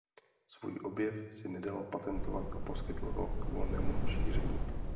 Svůj objev si nedal patentovat a poskytl ho k volnému šíření.